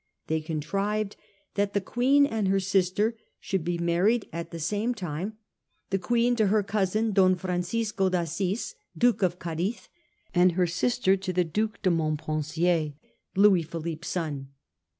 They contrived, that the Queen and her sister should be married at the same 1846. THE KING'S ' DEVIATION.' 431 time — the Queen to her cousin, Don Francisco d'Assis, Duke of Cadiz ; and her sister to the Duke de Montpensier, Louis Philippe's son.